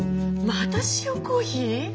また塩コーヒー？